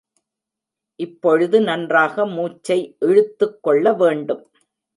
இப்பொழுது நன்றாக மூச்சை இழுத்துக் கொள்ள வேண்டும்.